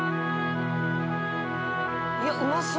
いやうまそう。